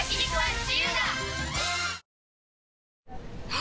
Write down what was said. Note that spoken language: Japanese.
あ！